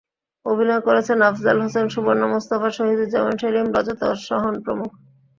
অভিনয় করেছেন আফজাল হোসেন, সুবর্ণা মুস্তাফা, শহীদুজ্জামান সেলিম, রজত, সহন প্রমুখ।